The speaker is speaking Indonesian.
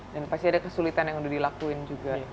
dan pasti ada kesulitan yang sudah dilakukan juga